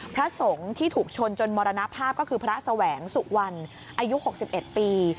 พระสงฆ์ที่ถูกชนจนมรณภาพก็คือพระแสวงสุวรรณอายุ๖๑ปี